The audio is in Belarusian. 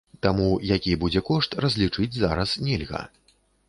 Таму які будзе кошт, разлічыць зараз нельга.